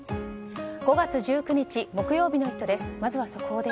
５月１９日、木曜日の「イット！」です。